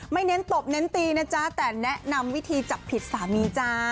ไม่เน้นตบเน้นตีแต่แนะนำวิธีจับผิดสามี